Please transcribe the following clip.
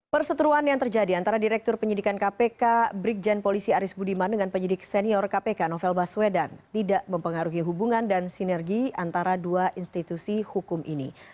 perseteruan yang terjadi antara direktur penyidikan kpk brigjen polisi aris budiman dengan penyidik senior kpk novel baswedan tidak mempengaruhi hubungan dan sinergi antara dua institusi hukum ini